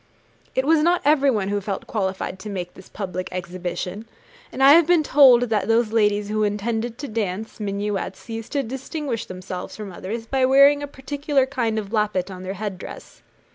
It was not everyone who felt qualified to make this public exhibition, and I have been told that those ladies who intended to dance minuets, used to distinguish themselves from others by wearing a particular kind of lappet on their head dress.